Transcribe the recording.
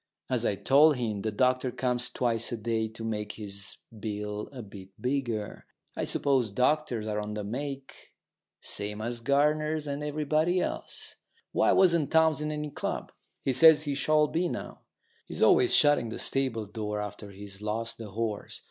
As I told him, the doctor comes twice a day to make his bill a bit bigger. I suppose doctors are on the make, same as gardeners and everybody else. Why wasn't Townes in any club? He says he shall be now. He's always shutting the stable door after he's lost the horse.